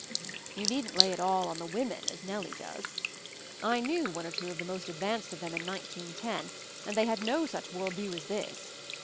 You needn't lay it all to the women, as Nellie does. I knew one or two of the most advanced of them in 1910, and they had no such world view as this.